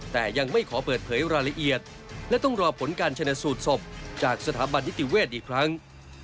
แต่ยังไม่ขอเปิดเผยรายละเอียดและต้องรอผลการชนะสูตรศพจากสถาบันนิติเวทย์อีกครั้ง